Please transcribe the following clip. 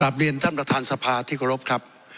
ปราบเรียนท่านประธานสภาที่ขอรบครับ